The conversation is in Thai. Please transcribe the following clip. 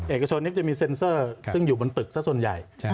เอกชนจะมีเซ็นเซอร์ซึ่งอยู่บนตึกสักส่วนใหญ่